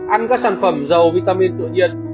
ăn các sản phẩm dầu vitamin tự nhiên